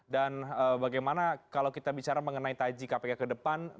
dan bagaimana kalau kita bicara mengenai taji kpk ke depan